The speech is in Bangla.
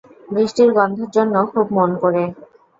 বৃষ্টির গন্ধের জন্য খুব মন পোড়ে।